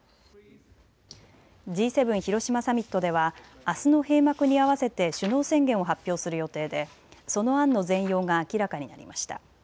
Ｇ７広島サミットではあすの閉幕に合わせて首脳宣言を発表する予定でその案の全容が明らかになりました。